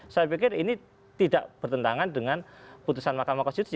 saya pikir ini tidak bertentangan dengan putusan mahkamah konstitusi